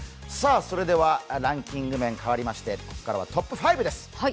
ランキング面、変わりましてここからはトップ５です。